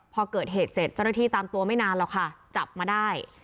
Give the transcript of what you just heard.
พอเกิดเหตุเสร็จเจ้าหน้าที่ตามตัวไม่นานหรอกค่ะจับมาได้